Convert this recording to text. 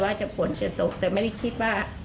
แต่นี้ช่วงวันเดียวแป๊บเดียว